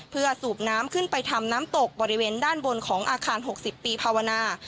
เพื่อสูบน้ำขึ้นไปทำน้ำตกบริเวณด้านบนของอาคาร๖๐ปีภาวนา